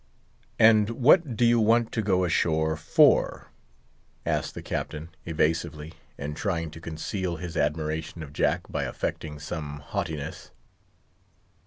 "And what do you want to go ashore for?" asked the Captain, evasively, and trying to conceal his admiration of Jack by affecting some haughtiness.